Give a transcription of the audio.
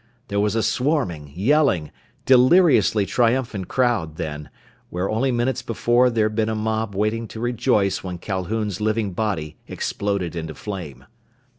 There was a swarming, yelling, deliriously triumphant crowd, then, where only minutes before there'd been a mob waiting to rejoice when Calhoun's living body exploded into flame.